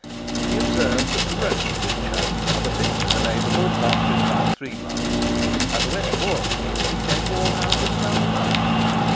He observed that the ropes which, at other pits in the neighbourhood, lasted about three months, at the West Moor Pit became worn out in about a month.